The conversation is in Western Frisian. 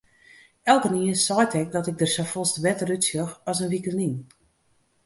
Elkenien seit ek dat ik der safolleste better útsjoch as in wike lyn.